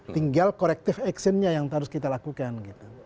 tinggal korektif actionnya yang harus kita lakukan gitu